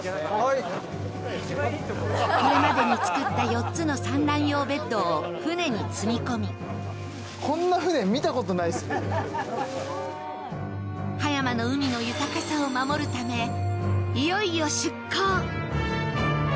これまでに作った４つの産卵用ベッドを船に積み込み、葉山の海の豊かさを守るため、いよいよ出港。